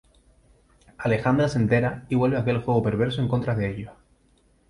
Alexandra se entera y vuelve aquel juego perverso en contra de ellos.